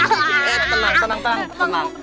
eh tenang tenang tenang